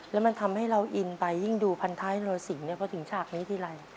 แล้วมันทำให้เราอินไปยิ่งดูพันท้ายโรสิงเนี่ยพอถึงฉากนี้ทีไร